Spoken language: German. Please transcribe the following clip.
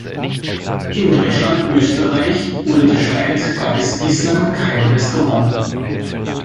In Deutschland, Österreich oder der Schweiz gab es bislang kein Restaurant.